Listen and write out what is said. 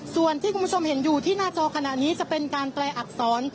ส่วนที่คุณผู้ชมเห็นอยู่ที่หน้าจอขณะนี้จะเป็นการแปลอักษร